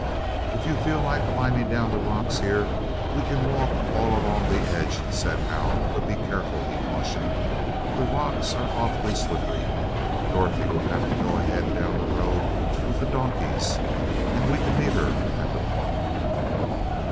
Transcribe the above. "If you feel like climbing down the rocks here we can walk all along the edge," said Hal. "But be careful!" he cautioned, "the rocks are awfully slippery. Dorothy will have to go on ahead down the road with the donkeys, and we can meet her at the Point."